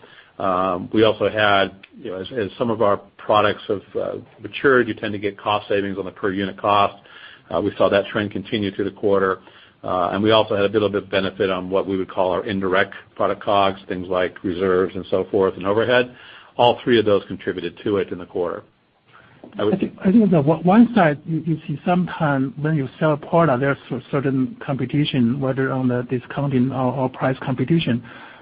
We also had, as some of our products have matured, you tend to get cost savings on a per unit cost. We saw that trend continue through the quarter. we also had a little bit of benefit on what we would call our indirect product COGS, things like reserves and so forth, and overhead. All three of those contributed to it in the quarter. I would- I think the one side you see sometimes when you sell a product, there's certain competition, whether on the discounting or price competition.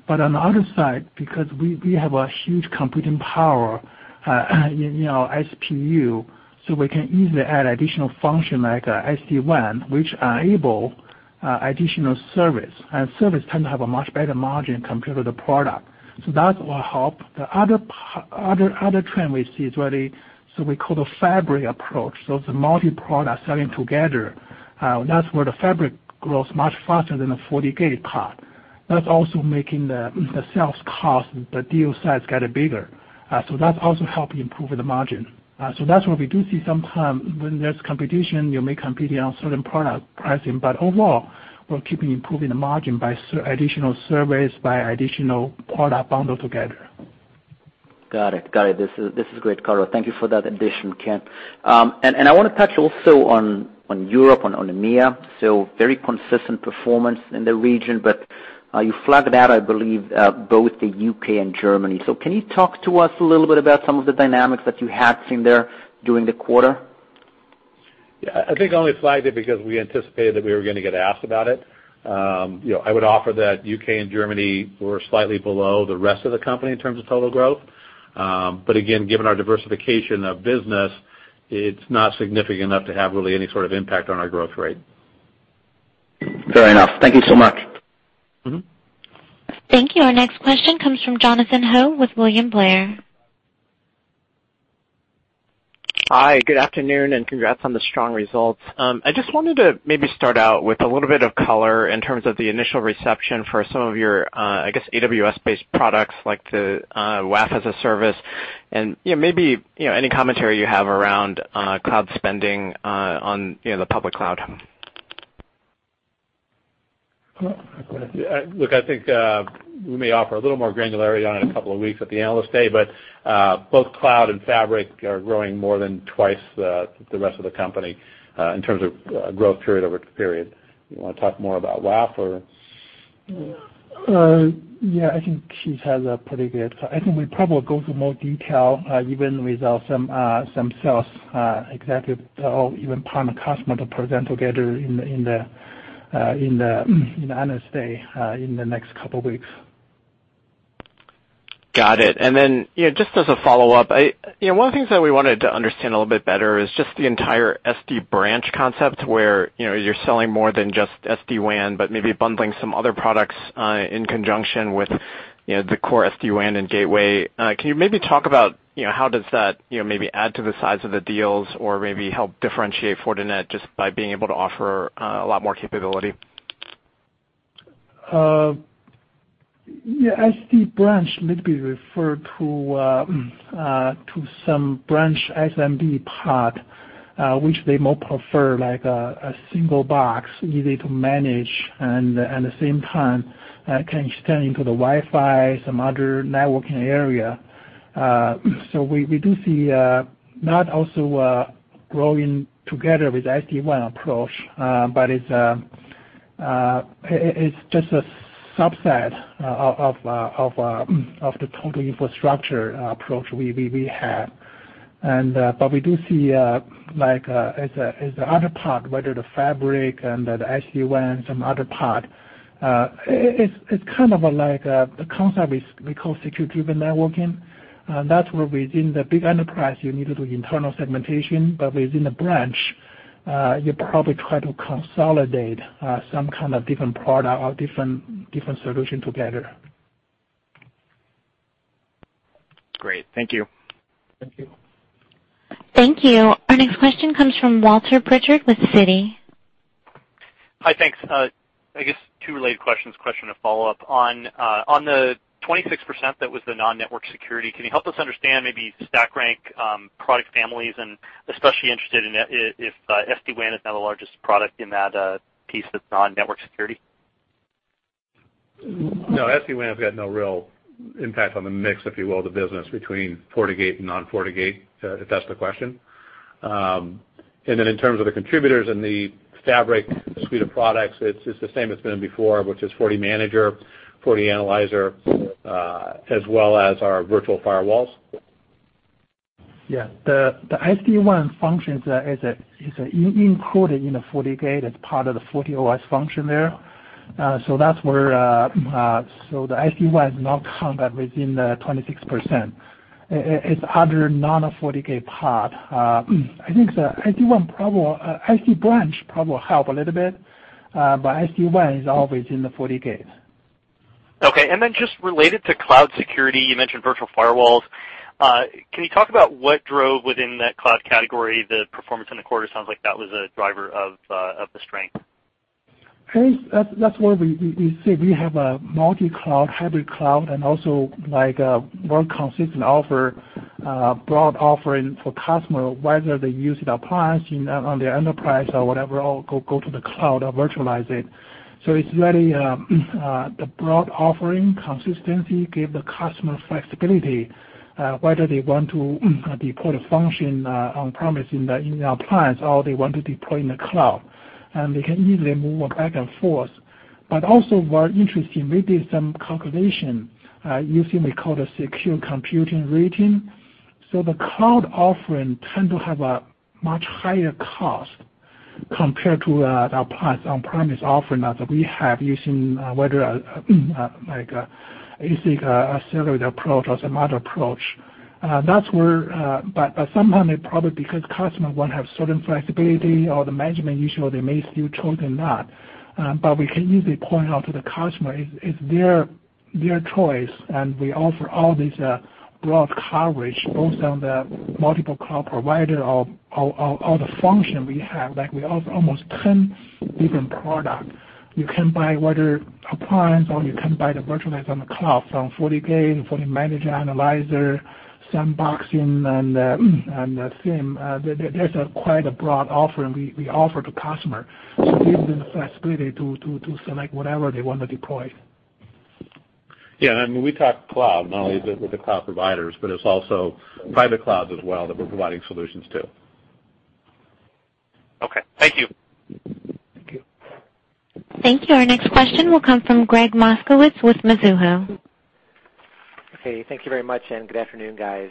On the other side, because we have a huge computing power, SPU, so we can easily add additional function like SD-WAN, which enable additional service. Service tend to have a much better margin compared to the product. That will help. The other trend we see is what we call the fabric approach. It's a multi-product selling together. That's where the fabric grows much faster than a FortiGate part. That's also making the sales cost, the deal size get bigger. That's also helping improve the margin. That's what we do see sometime when there's competition, you may compete on certain product pricing, but overall, we're keeping improving the margin by additional service, by additional product bundled together. Got it. This is great color. Thank you for that addition, Ken. I want to touch also on Europe, on EMEA. Very consistent performance in the region, but you flagged out, I believe, both the U.K. and Germany. Can you talk to us a little bit about some of the dynamics that you have seen there during the quarter? Yeah, I think I only flagged it because we anticipated that we were going to get asked about it. I would offer that U.K. and Germany were slightly below the rest of the company in terms of total growth. Again, given our diversification of business, it's not significant enough to have really any sort of impact on our growth rate. Fair enough. Thank you so much. Thank you. Our next question comes from Jonathan Ho with William Blair. Hi, good afternoon, and congrats on the strong results. I just wanted to maybe start out with a little bit of color in terms of the initial reception for some of your, I guess, AWS-based products like the WAF as a service and maybe any commentary you have around cloud spending on the public cloud. Well, Look, I think we may offer a little more granularity on it in a couple of weeks at the Analyst Day, but both cloud and Fabric are growing more than twice the rest of the company in terms of growth period over the period. You want to talk more about WAF or? Yeah, I think we'll probably go through more detail, even with some sales executive or even partner customer to present together in the Analyst Day in the next couple of weeks. Got it. Just as a follow-up, one of the things that we wanted to understand a little bit better is just the entire SD branch concept where you're selling more than just SD-WAN, but maybe bundling some other products in conjunction with the core SD-WAN and gateway. Can you maybe talk about how does that maybe add to the size of the deals or maybe help differentiate Fortinet just by being able to offer a lot more capability? Yeah. SD Branch maybe refer to some branch SMB part, which they more prefer, like a single box, easy to manage, and at the same time, can extend into the Wi-Fi, some other networking area. We do see, not also growing together with SD-WAN approach, but it's just a subset of the total infrastructure approach we have. We do see as the other part, whether the fabric and the SD-WAN, some other part, it's kind of like the concept we call security-driven networking. That's where within the big enterprise, you need to do internal segmentation, but within the branch, you probably try to consolidate some kind of different product or different solution together. Great. Thank you. Thank you. Thank you. Our next question comes from Walter Pritchard with Citi. Hi, thanks. I guess two related questions. Question to follow up. On the 26% that was the non-network security, can you help us understand, maybe stack rank product families, and especially interested if SD-WAN is now the largest product in that piece that's non-network security? No, SD-WAN has got no real impact on the mix, if you will, of the business between FortiGate and non-FortiGate, if that's the question. In terms of the contributors and the fabric suite of products, it's the same it's been before, which is FortiManager, FortiAnalyzer, as well as our virtual firewalls. Yeah. The SD-WAN functions is included in the FortiGate. It's part of the FortiOS function there. The SD-WAN is not counted within the 26%. It's other non-FortiGate part. I think the SD-WAN probably SD branch probably help a little bit, but SD-WAN is always in the FortiGate. Okay. just related to cloud security, you mentioned virtual firewalls. Can you talk about what drove within that cloud category, the performance in the quarter? Sounds like that was a driver of the strength. That's where we see we have a multi-cloud, hybrid cloud, and also a more consistent offer, broad offering for customer, whether they use the appliance on their enterprise or whatever, or go to the cloud or virtualize it. It's really the broad offering. Consistency give the customer flexibility, whether they want to deploy the function on-premise in the appliance, or they want to deploy in the cloud, and they can easily move back and forth. Also what's interesting, we did some calculation using what we call a Security Compute Rating. The cloud offering tend to have a much higher cost compared to the appliance on-premise offering that we have using whether, like, ASIC accelerated approach or some other approach. Sometime it probably because customer want to have certain flexibility or the management issue, they may still choose not. We can easily point out to the customer it's their choice, and we offer all these broad coverage both on the multiple cloud provider or the function we have. We offer almost 10 different products. You can buy whether appliance or you can buy the virtualized on the cloud. On FortiGate, FortiManager, Analyzer, FortiSandbox, and FortiSIEM. There's quite a broad offering we offer to customer. Give them the flexibility to select whatever they want to deploy. Yeah, when we talk cloud, not only with the cloud providers, but it's also private clouds as well that we're providing solutions to. Okay. Thank you. Thank you. Thank you. Our next question will come from Gregg Moskowitz with Mizuho. Okay, thank you very much, and good afternoon, guys.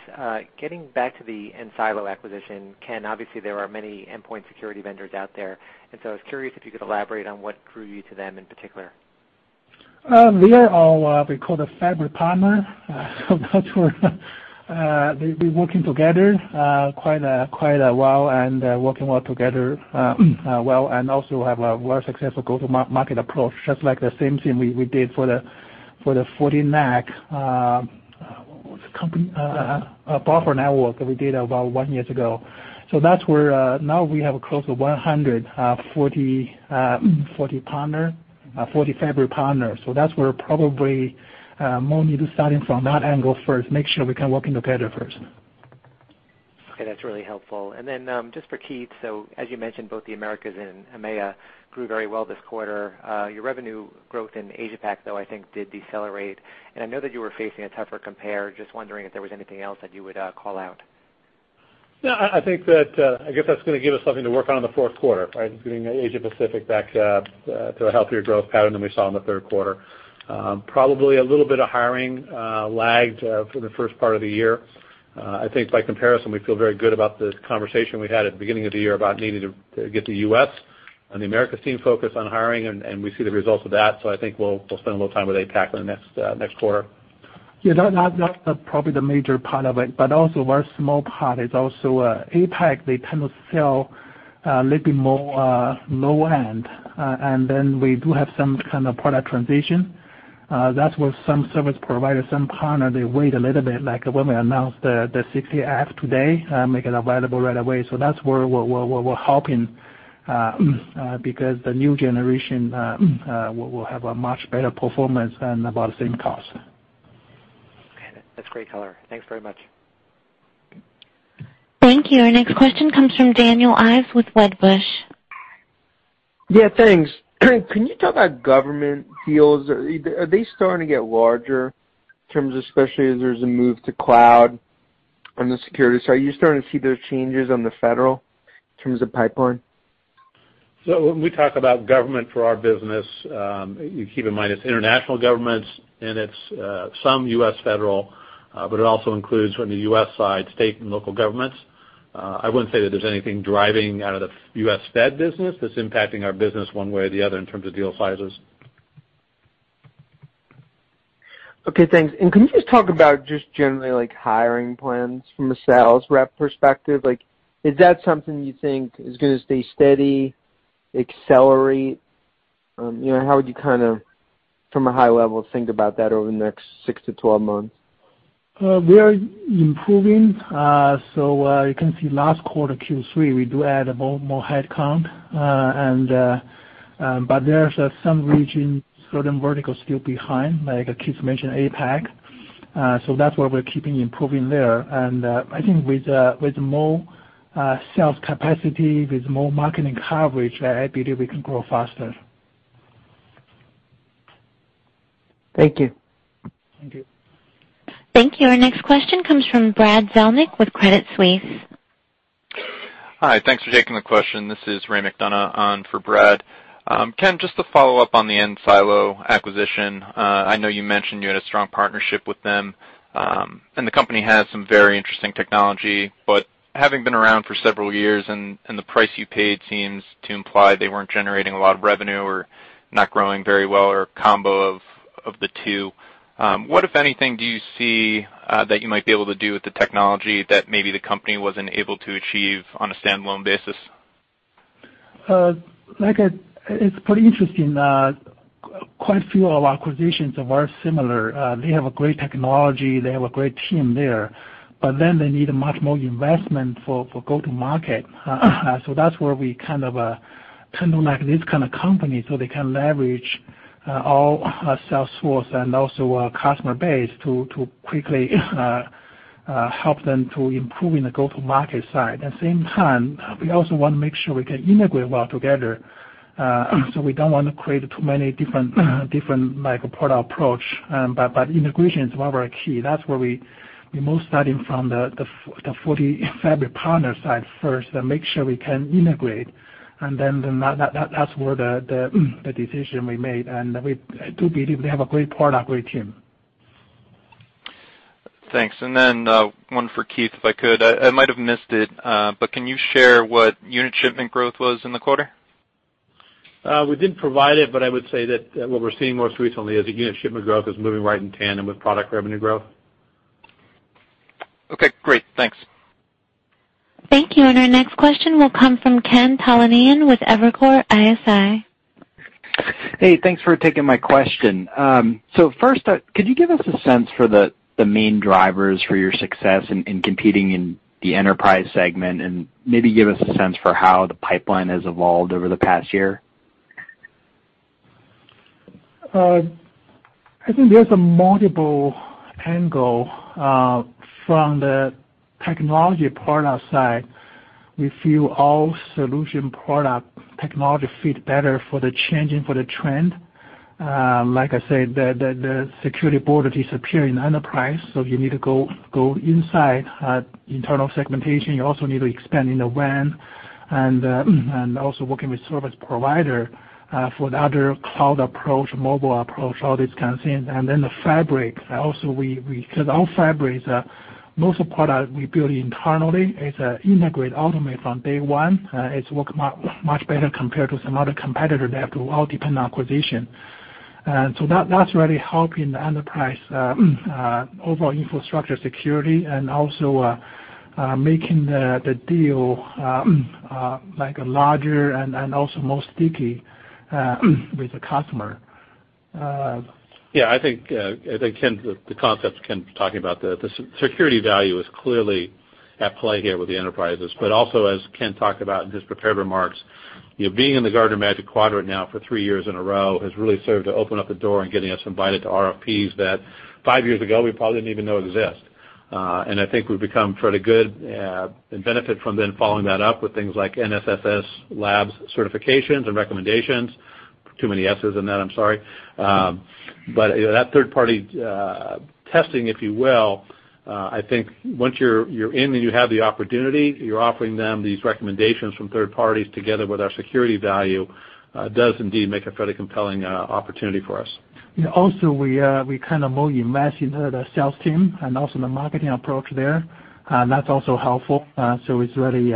Getting back to the enSilo acquisition, Ken, obviously, there are many endpoint security vendors out there, and so I was curious if you could elaborate on what drew you to them in particular. They are our, we call it, fabric partner. That's where they've been working together quite a while and working well together, and also have a very successful go-to-market approach, just like the same thing we did for the FortiNAC. What's the company? Bradford Networks that we did about one year ago. That's where now we have close to 100 FortiPartner, Forti fabric partner. That's where probably more need to starting from that angle first, make sure we can working together first. Okay, that's really helpful. Just for Keith, so as you mentioned, both the Americas and EMEA grew very well this quarter. Your revenue growth in Asia Pac, though, I think did decelerate, and I know that you were facing a tougher compare. Just wondering if there was anything else that you would call out. No, I think that, I guess that's going to give us something to work on in the fourth quarter, right? Is getting Asia Pacific back to a healthier growth pattern than we saw in the third quarter. Probably a little bit of hiring lagged for the first part of the year. I think by comparison, we feel very good about the conversation we had at the beginning of the year about needing to get the U.S. and the America team focused on hiring, and we see the results of that. I think we'll spend a little time with APAC in the next quarter. Yeah, that's probably the major part of it, but also very small part is also APAC. They kind of sell a little bit more low-end, and then we do have some kind of product transition. That's where some service provider, some partner, they wait a little bit, like when we announce the 60F today, make it available right away. That's where we're hoping, because the new generation will have a much better performance and about the same cost. Okay. That's great color. Thanks very much. Thank you. Our next question comes from Daniel Ives with Wedbush. Yeah, thanks. Can you talk about government deals? Are they starting to get larger in terms of, especially as there's a move to cloud on the security side? Are you starting to see those changes on the federal in terms of pipeline? When we talk about government for our business, you keep in mind it's international governments and it's some U.S. federal, but it also includes on the U.S. side, state and local governments. I wouldn't say that there's anything driving out of the U.S. Fed business that's impacting our business one way or the other in terms of deal sizes. Okay, thanks. Can you just talk about just generally, like, hiring plans from a sales rep perspective? Like, is that something you think is going to stay steady, accelerate? How would you kind of, from a high level, think about that over the next six to 12 months? We are improving. You can see last quarter, Q3, we do add more headcount. There's some region, certain verticals still behind, like Keith mentioned, APAC. That's where we're keeping improving there. I think with more sales capacity, with more marketing coverage, I believe we can grow faster. Thank you. Thank you. Thank you. Our next question comes from Brad Zelnick with Credit Suisse. Hi, thanks for taking the question. This is Ray McDonough on for Brad. Ken, just to follow up on the enSilo acquisition, I know you mentioned you had a strong partnership with them, and the company has some very interesting technology, but having been around for several years and the price you paid seems to imply they weren't generating a lot of revenue or not growing very well or a combo of the two. What, if anything, do you see that you might be able to do with the technology that maybe the company wasn't able to achieve on a standalone basis? It's pretty interesting. Quite a few of our acquisitions are very similar. They have a great technology. They have a great team there, but then they need much more investment for go-to-market. That's where we tend to like this kind of company so they can leverage our sales force and also our customer base to quickly help them to improve in the go-to-market side. At the same time, we also want to make sure we can integrate well together. We don't want to create too many different product approach, but integration is one of our key. That's where we most starting from the FortiFabric partner side first, then make sure we can integrate, and then that's where the decision we made, and I do believe they have a great product, great team. Thanks, one for Keith, if I could. I might have missed it, but can you share what unit shipment growth was in the quarter? We didn't provide it, but I would say that what we're seeing most recently is the unit shipment growth is moving right in tandem with product revenue growth. Okay, great. Thanks. Thank you, our next question will come from Kirk Materne with Evercore ISI. Hey, thanks for taking my question. First, could you give us a sense for the main drivers for your success in competing in the enterprise segment and maybe give us a sense for how the pipeline has evolved over the past year? I think there's a multiple angle from the technology product side. We feel all solution product technology fit better for the changing for the trend. Like I said, the security border disappear in enterprise, so you need to go inside internal segmentation. You also need to expand in the WAN and also working with service provider for the other cloud approach, mobile approach, all these kind of things. the fabric also because all fabric is most of product we build internally is integrate automate from day one. It work much better compared to some other competitor. They have to all depend on acquisition. that's really helping the enterprise overall infrastructure security and also making the deal larger and also more sticky with the customer. Yeah, I think the concepts Ken's talking about, the security value is clearly at play here with the enterprises, but also as Ken talked about in his prepared remarks, being in the Gartner Magic Quadrant now for three years in a row has really served to open up the door in getting us invited to RFPs that five years ago we probably didn't even know exist. I think we've become pretty good and benefit from then following that up with things like NSS Labs certifications and recommendations. Too many S's in that, I'm sorry. That third-party testing, if you will, I think once you're in and you have the opportunity, you're offering them these recommendations from third parties together with our security value, does indeed make a pretty compelling opportunity for us. We more invest in the sales team and also the marketing approach there. That's also helpful. It's really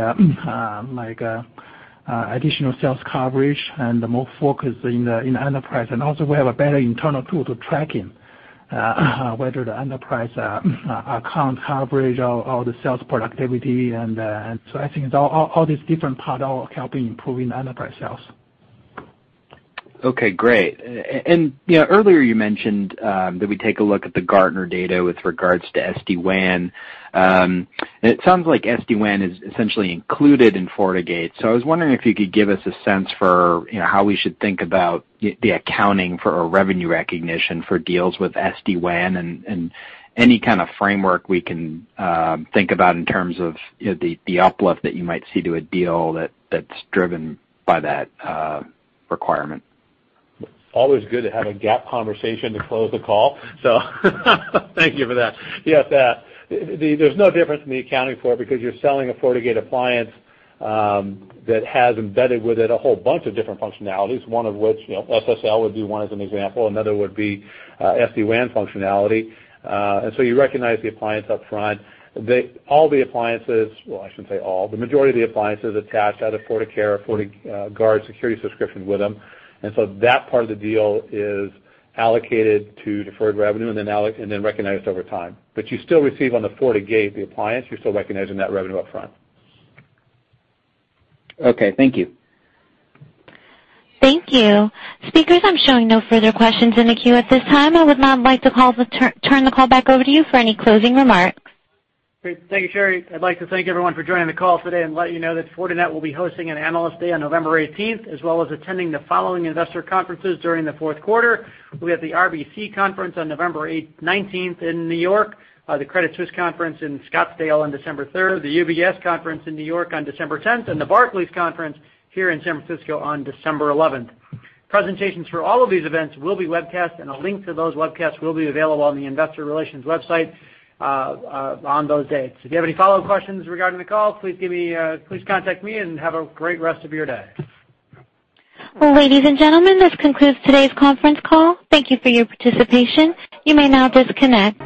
additional sales coverage and more focus in enterprise. We have a better internal tool to tracking whether the enterprise account coverage or the sales productivity. I think all these different part all helping improving enterprise sales. Okay, great. Earlier you mentioned that we take a look at the Gartner data with regards to SD-WAN. It sounds like SD-WAN is essentially included in FortiGate. I was wondering if you could give us a sense for how we should think about the accounting for a revenue recognition for deals with SD-WAN and any kind of framework we can think about in terms of the uplift that you might see to a deal that's driven by that requirement. Always good to have a GAAP conversation to close the call, so thank you for that. There's no difference in the accounting for it because you're selling a FortiGate appliance that has embedded with it a whole bunch of different functionalities, one of which SSL would be one as an example, another would be SD-WAN functionality. You recognize the appliance up front. All the appliances, well, I shouldn't say all, the majority of the appliances attach out of FortiCare or FortiGuard security subscription with them. That part of the deal is allocated to deferred revenue and then recognized over time. You still receive on the FortiGate, the appliance, you're still recognizing that revenue up front. Okay. Thank you. Thank you. Speakers, I'm showing no further questions in the queue at this time. I would now like to turn the call back over to you for any closing remarks. Great. Thank you, Sherry. I'd like to thank everyone for joining the call today and let you know that Fortinet will be hosting an Analyst Day on November 18th, as well as attending the following investor conferences during the fourth quarter. We'll be at the RBC conference on November 19th in New York, the Credit Suisse conference in Scottsdale on December 3rd, the UBS conference in New York on December 10th, and the Barclays Conference here in San Francisco on December 11th. Presentations for all of these events will be webcast, and a link to those webcasts will be available on the investor relations website on those dates. If you have any follow-up questions regarding the call, please contact me, and have a great rest of your day. Well, ladies and gentlemen, this concludes today's conference call. Thank you for your participation. You may now disconnect.